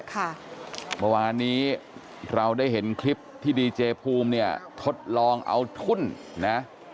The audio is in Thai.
เมื่อวานนี้เราได้เห็นคลิปที่ดีเจภูมิเนี่ยทดลองเอาทุ่นนะ